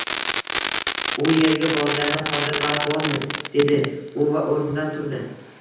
U yerga borgani hozir vaqt bormi! – dedi u va oʻrnidan turdi.